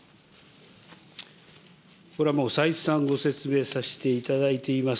これはもう再三、ご説明させていただいています。